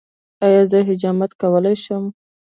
ایا زه حجامت کولی شم؟